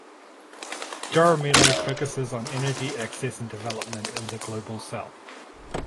Jaramillo focuses on energy access and development in the Global South.